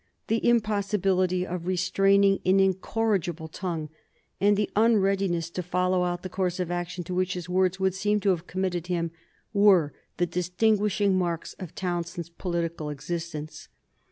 The impossibility of restraining an incorrigible tongue, and the unreadiness to follow out the course of action to which his words would seem to have committed him, were the distinguishing marks of Townshend's political existence.